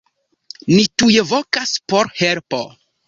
Ni tuj vokas por helpo.“